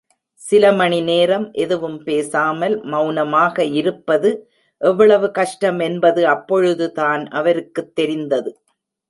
சில மணி நேரம் எதுவும் பேசாமல் மெளனமாக இருப்பது எவ்வளவு கஷ்டம் என்பது அப்பொழுதான் அவருக்குத் தெரிந்தது.